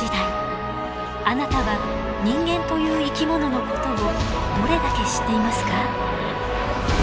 あなたは人間という生き物のことをどれだけ知っていますか？